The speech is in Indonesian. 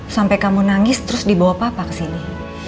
sampai kamu nangis terus dibawa papa kesini